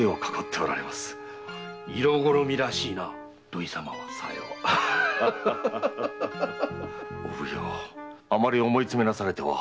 お奉行あまり思い詰めなされてはお体に毒ですぞ。